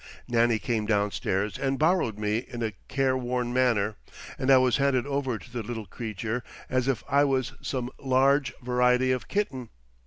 Nannie came downstairs and borrowed me in a careworn manner; and I was handed over to the little creature as if I was some large variety of kitten.